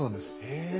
へえ。